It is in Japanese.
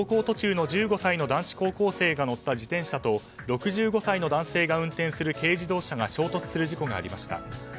途中の１５歳の男子高校生が乗った自転車と６５歳の男性が運転する軽自動車が衝突する事故がありました。